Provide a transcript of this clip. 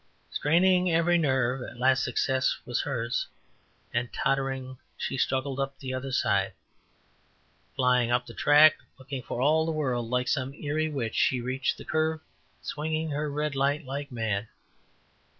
Straining every nerve, at last success was hers, and tottering, she struggled up the other side. Flying up the track, looking for all the world like some eyrie witch, she reached the curve, swinging her red light like mad.